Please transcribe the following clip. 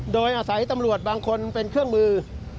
โดยอาศัยตำรวจบางคนเป็นเครื่องมือ